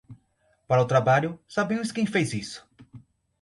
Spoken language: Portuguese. Para o trabalho, sabemos quem fez isso.